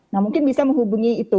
nah mungkin bisa menghubungi itu